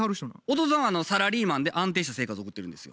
弟さんはサラリーマンで安定した生活を送ってるんですよ。